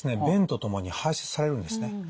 便とともに排せつされるんですね。